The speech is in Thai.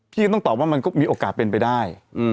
ก็ต้องตอบว่ามันก็มีโอกาสเป็นไปได้